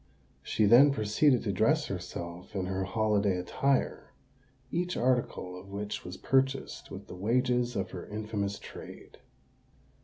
She then proceeded to dress herself in her holiday attire, each article of which was purchased with the wages of her infamous trade.